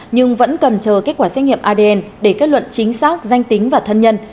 nhưng vẫn cần chờ kết quả xét nghiệm adn để kết luận chính xác danh tính và thân nhân